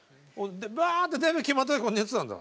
バーってデビュー決まった時寝てたんだ。